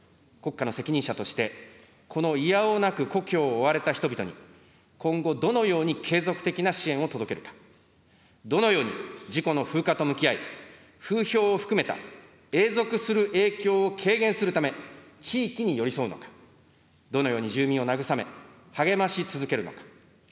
国家の責任者として、このいやおうなく故郷を追われた人々に、今後、どのように継続的な支援を届けるか、どのように事故の風化と向き合い、風評を含めた永続する影響を軽減するため地域に寄り添うのか、どのように住民を慰め、励まし続けるのか。